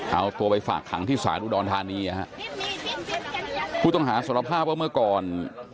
เอาตัวไปฝากขังที่ศาลอุดรธานีนะฮะผู้ต้องหาสารภาพว่าเมื่อก่อน